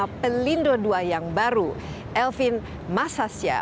sama pelindo ii yang baru elvin massasia